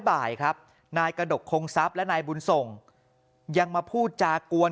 บ่ายครับนายกระดกคงทรัพย์และนายบุญส่งยังมาพูดจากวน